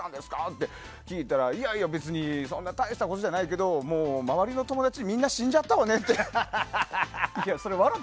って聞いたらいやいや、別にそんな大したことじゃないけど周りの友達みんな死んじゃったわよねって。